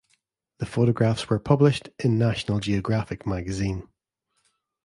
The photographs were published in "National Geographic" magazine.